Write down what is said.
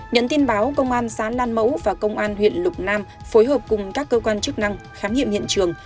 nhận tin báo công an xã nan mẫu và công an huyện lục nam phối hợp cùng các cơ quan chức năng khám nghiệm hiện trường